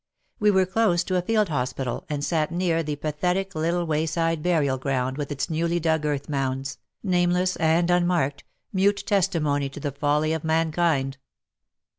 We were close to a field hospital, and sat near the pathetic little wayside burial ground with its newly dug earth mounds, nameless and unmarked, mute testimony to the folly of mankind.